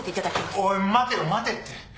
おい待てよ待てって。